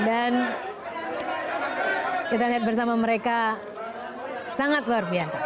dan kita lihat bersama mereka sangat luar biasa